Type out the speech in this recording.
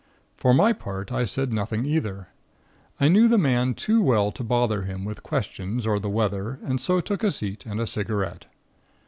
For my part, I said nothing either. I knew the man too well to bother him with questions or the weather, and so took a seat and a cigarette.